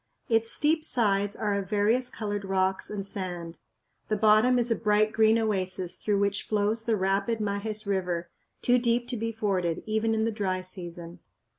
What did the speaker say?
Its steep sides are of various colored rocks and sand. The bottom is a bright green oasis through which flows the rapid Majes River, too deep to be forded even in the dry season.